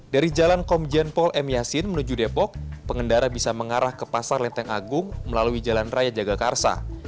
dari jalan komjen pol m yasin menuju depok pengendara bisa mengarah ke pasar lenteng agung melalui jalan raya jagakarsa